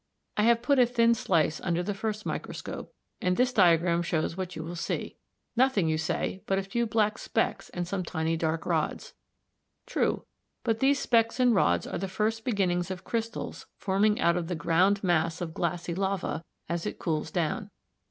I have put a thin slice under the first microscope, and this diagram (Fig. 41) shows what you will see. Nothing, you say, but a few black specks and some tiny dark rods. True, but these specks and rods are the first beginnings of crystals forming out of the ground mass of glassy lava as it cools down.